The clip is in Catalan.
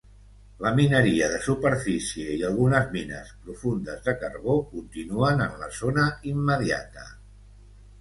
La mineria de superfície i algunes mines profundes de carbó continuen en la zona immediata.